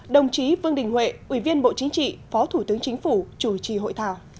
đồng chí vương đình huệ ủy viên bộ chính trị phó thủ tướng chính phủ chủ trì hội thảo